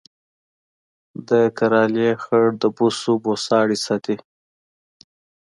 د کرهالې خړ د بوسو بوساړې ساتي